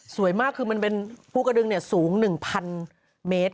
สวยมากคือมันเป็นภูกฎึงสูง๑๐๐๐เมตร